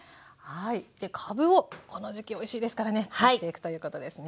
でかぶをこの時期おいしいですからね使っていくということですね。